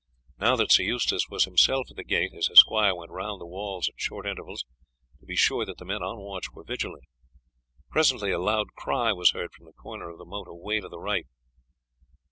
Now that Sir Eustace was himself at the gate his esquire went round the walls at short intervals to be sure that the men on watch were vigilant. Presently a loud cry was heard from the corner of the moat away to the right.